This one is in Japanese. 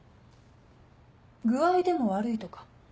具合でも悪いとか？